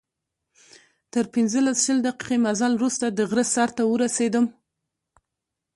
تر پنځلس، شل دقیقې مزل وروسته د غره سر ته ورسېدم.